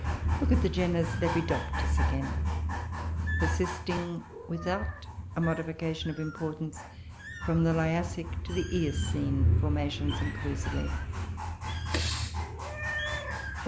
Look at the genus Lepidotus, again, persisting without a modification of importance from the Liassic to the Eocene formations inclusively.